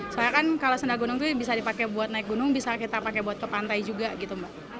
soalnya kan kalau sendal gunung itu bisa dipakai buat naik gunung bisa kita pakai buat ke pantai juga gitu mbak